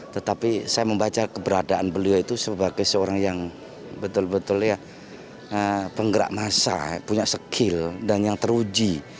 tetapi saya membaca keberadaan beliau itu sebagai seorang yang betul betul ya penggerak massa punya skill dan yang teruji